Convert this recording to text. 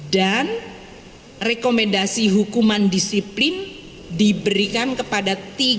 dan rekomendasi hukuman disiplin diberikan kepada tiga ratus lima puluh dua